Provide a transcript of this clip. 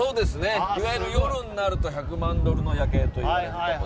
いわゆる夜になると１００万ドルの夜景と言われて。